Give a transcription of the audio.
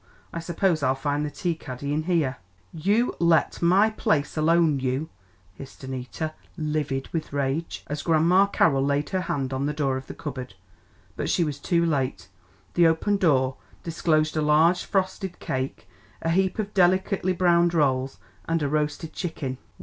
I suppose I'll find the tea caddy in here." "You let my place alone you!" hissed Annita, livid with rage, as Grandma Carroll laid her hand on the door of the cupboard. But she was too late; the open door disclosed a large frosted cake, a heap of delicately browned rolls and a roasted chicken.